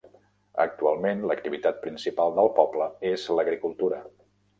Actualment, l'activitat principal del poble és l'agricultura.